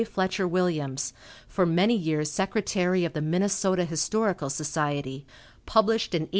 Fletcher Williams, for many years secretary of the Minnesota Historical Society, published in 1876.